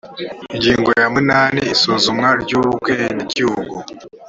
ingingo ya munani isuzumwa ry’ubwenegihugu